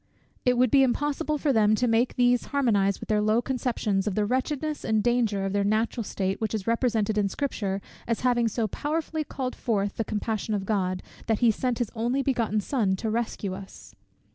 It would be impossible for them to make these harmonize with their low conceptions, of the wretchedness and danger of their natural state, which is represented in Scripture as having so powerfully called forth the compassion of God, that he sent his only begotten Son to rescue us.